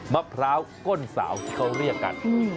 มะพร้าวก้นสาวที่เขาเรียกกัน